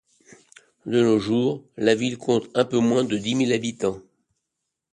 De nos jours, la ville compte un peu moins de dix mille habitants.